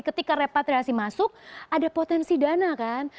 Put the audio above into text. ketika repatriasi masuk ada potensi dana kan